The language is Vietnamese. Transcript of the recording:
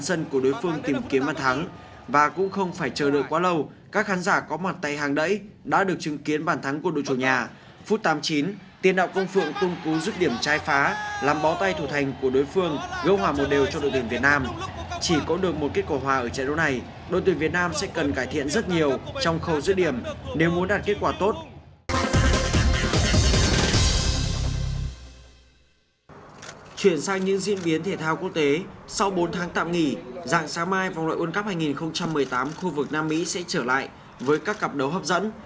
sau bốn tháng tạm nghỉ dạng sáng mai vòng loại world cup hai nghìn một mươi tám khu vực nam mỹ sẽ trở lại với các cặp đấu hấp dẫn